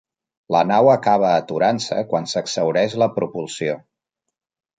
La nau acaba aturant-se quan s'exhaureix la propulsió.